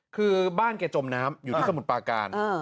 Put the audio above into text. คือบ้านแกจมน้ำอยู่ที่สมุทรปาการ